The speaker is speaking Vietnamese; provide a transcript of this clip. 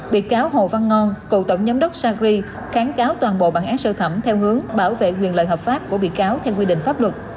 bị cáo hồ văn ngon cựu tổng giám đốc sagri kháng cáo toàn bộ bản án sơ thẩm theo hướng bảo vệ quyền lợi hợp pháp của bị cáo theo quy định pháp luật